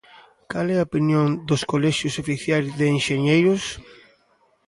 ¿Cal é a opinión dos colexios oficiais de enxeñeiros?